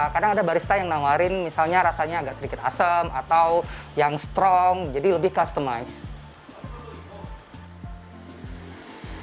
kadang ada barista yang nawarin misalnya rasanya agak sedikit asem atau yang strong jadi lebih customize